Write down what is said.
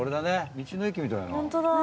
道の駅みたいな。